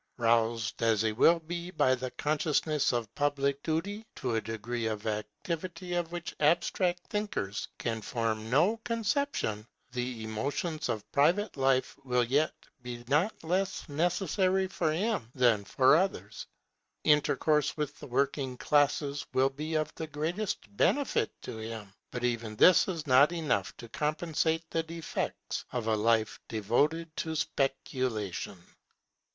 Roused as he will be by the consciousness of public duty to a degree of activity of which abstract thinkers can form no conception, the emotions of private life will yet be not less necessary for him than for others. Intercourse with the working classes will be of the greatest benefit to him; but even this is not enough to compensate the defects of a life devoted to speculation.